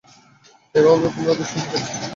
তোমার দুশ্চিন্তা হচ্ছে।